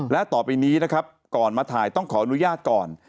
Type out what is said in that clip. และต่อไปนี้นะครับก่อนมาถ่ายต้องขออนุญาตก่อน